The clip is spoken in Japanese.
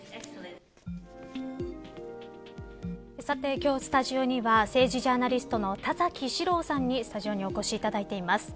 さて、今日スタジオには政治ジャーナリストの田崎史郎さんにスタジオにお越しいただいています。